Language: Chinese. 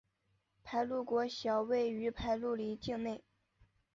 排路国小位于排路里境内。